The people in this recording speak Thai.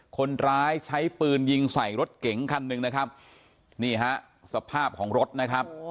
คนร้ายใช้ปืนยิงใส่รถเก๋งคันหนึ่งนะครับนี่ฮะสภาพของรถนะครับ